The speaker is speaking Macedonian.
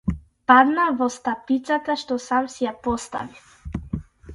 Паднав во стапицата што сам си ја поставив.